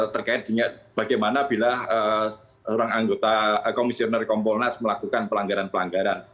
terkait dengan bagaimana bila seorang anggota komisioner kompolnas melakukan pelanggaran pelanggaran